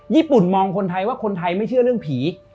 ญี่ปุ่นมองคนไทยว่าคนไทยไม่เชื่อเรื่องผี